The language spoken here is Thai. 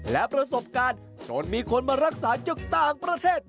และประสบการณ์จนมีคนมารักษาจากต่างประเทศ